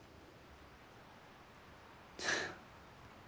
フッ。